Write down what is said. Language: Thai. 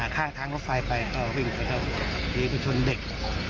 ข้างทางเขาไฟไปเขาวิ่งไปเขาพี่ผู้ชนเด็ก